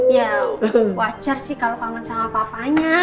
iya wajar sih kalo kangen sama bapaknya